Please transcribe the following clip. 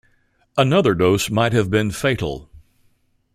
Another dose might have been fatal.